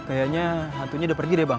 kayaknya hantunya udah pergi deh bang